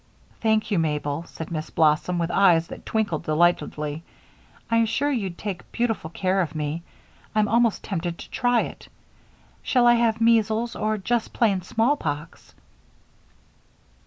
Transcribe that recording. "Thank you, Mabel," said Miss Blossom, with eyes that twinkled delightedly, "I'm sure you'd take beautiful care of me I'm almost tempted to try it. Shall I have measles, or just plain smallpox?"